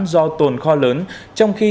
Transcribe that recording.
do tồn kho lớn trong khi